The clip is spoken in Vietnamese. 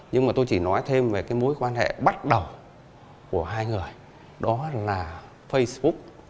nhưng mà tôi chỉ nói thêm về cái mối quan hệ bắt đầu của hai người đó là facebook